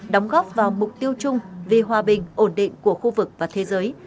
đóng góp vào mục tiêu chung vì hòa bình ổn định của khu vực và thế giới